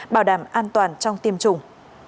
bảo đảm an toàn trong tiêm chủng